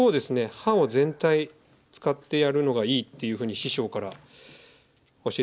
刃を全体使ってやるのがいいっていうふうに師匠から教えてもらったんですね。